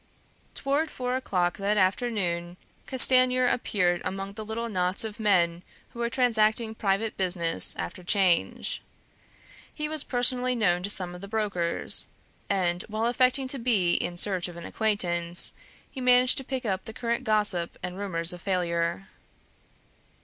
Toward four o'clock that afternoon Castanier appeared among the little knots of men who were transacting private business after 'Change. He was personally known to some of the brokers; and while affecting to be in search of an acquaintance, he managed to pick up the current gossip and rumors of failure.